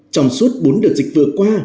trong suốt bốn đợt dịch vừa qua